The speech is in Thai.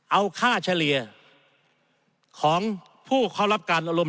เอาค่าเฉลี่ยของผู้เขารับการอารมณ์